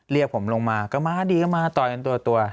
เรียกผมลงมาก็มาดีก็มาต่อยกันตัว